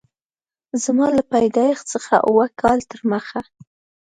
زما له پیدایښت څخه اووه کاله تر مخه